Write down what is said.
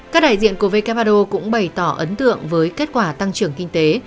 các đại diện của who cũng bày tỏ ấn tượng với kết quả tăng trưởng kinh tế